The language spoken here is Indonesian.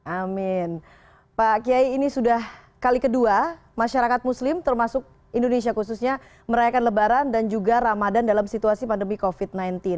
amin pak kiai ini sudah kali kedua masyarakat muslim termasuk indonesia khususnya merayakan lebaran dan juga ramadan dalam situasi pandemi covid sembilan belas